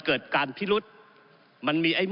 ก็ได้มีการอภิปรายในภาคของท่านประธานที่กรกครับ